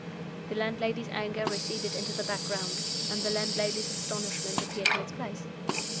The landlady's anger receded into the background, and the landlady's astonishment appeared in its place.